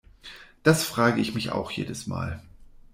Das frage ich mich auch jedes Mal.